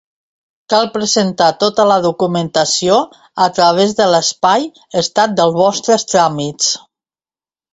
Cal presentar tota la documentació a través de l'espai Estat dels vostres tràmits.